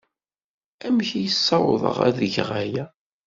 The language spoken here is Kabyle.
Amek ay ssawḍeɣ ad geɣ aya?